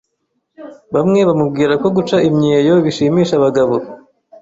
bamwe bamubwira ko guca imyeyo bishimisha abagabo